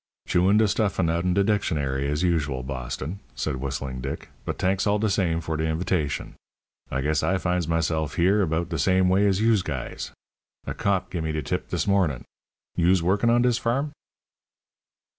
"Chewin' de stuffin' out 'n de dictionary, as usual, Boston," said Whistling Dick; "but t'anks all de same for de invitashun. I guess I finds meself here about de same way as yous guys. A cop gimme de tip dis mornin'. Yous workin' on dis farm?"